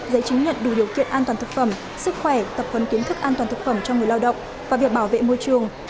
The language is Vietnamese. giấy chứng nhận đủ điều kiện an toàn thực phẩm sức khỏe tập huấn kiến thức an toàn thực phẩm cho người lao động và việc bảo vệ môi trường